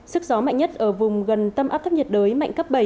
sức gió mạnh nhất ở vùng gần tâm áp thấp nhiệt đới mạnh cấp bảy